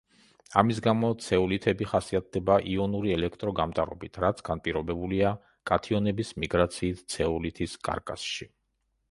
ამის გამო, ცეოლითები ხასიათდება იონური ელექტრო გამტარობით, რაც განპირობებულია კათიონების მიგრაციით ცეოლითის კარკასში.